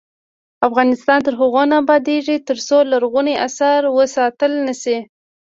افغانستان تر هغو نه ابادیږي، ترڅو لرغوني اثار وساتل نشي.